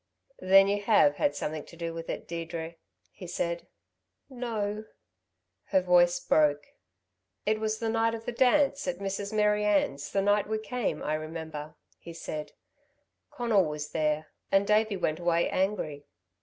"Then you have had something to do with it, Deirdre," he said. "No." Her voice broke. "It was the night of the dance, at Mrs. Mary Ann's the night we came, I remember," he said; "Conal was there, and Davey went away angry."